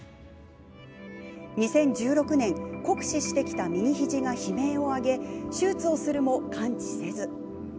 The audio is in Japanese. ２０１６年酷使してきた右肘が悲鳴を上げ手術をするも完治せず。